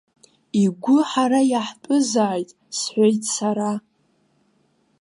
Игәы ҳара иаҳтәызааит, сҳәеит сара.